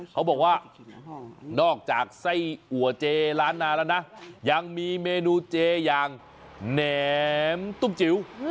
เขาบอกว่านอกจากไส้อัวเจร้านนาแล้วนะยังมีเมนูเจอย่างแหนมตุ้มจิ๋ว